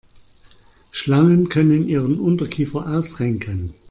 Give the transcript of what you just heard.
Schlangen können ihren Unterkiefer ausrenken.